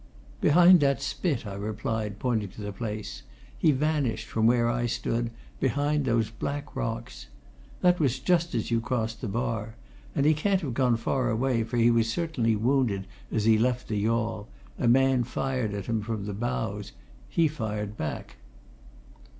"Behind that spit," I replied, pointing to the place. "He vanished, from where I stood, behind those black rocks. That was just as you crossed the bar. And he can't have gone far away, for he was certainly wounded as he left the yawl a man fired at him from the bows. He fired back."